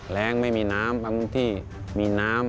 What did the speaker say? แรงไม่มีน้ำบางบุญที่มีน้ำ